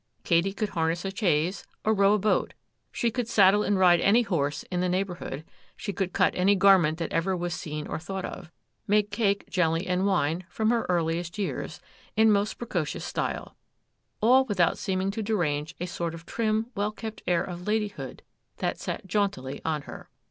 Katy could harness a chaise, or row a boat; she could saddle and ride any horse in the neighbourhood; she could cut any garment that ever was seen or thought of; make cake, jelly, and wine, from her earliest years, in most precocious style; all without seeming to derange a sort of trim, well kept air of ladyhood that sat jauntily on her.